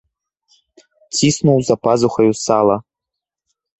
Ціснуў за пазухаю сала.